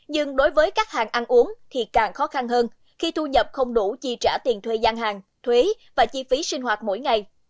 nhưng đối với các hàng ăn uống thì càng khó khăn hơn khi thu nhập không đủ chi trả tiền thuê gian hàng thuế và chi phí sinh hoạt mỗi ngày